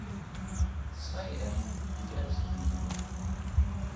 Tre af dem gik altså ikke med